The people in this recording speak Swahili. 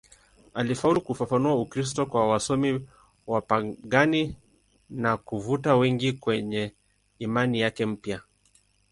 Alifaulu kufafanua Ukristo kwa wasomi wapagani na kuvuta wengi kwenye imani yake mpya.